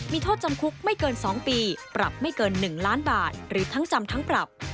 มีโทษจำคุกไม่เกิน๒ปีปรับไม่เกิน๑ล้านบาทหรือทั้งจำทั้งปรับ